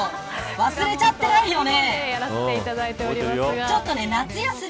忘れちゃってないよね。